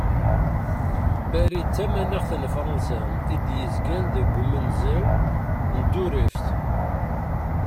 Paris d tamanaxt n Frans i d-yezgan deg umenẓaw n Turuft.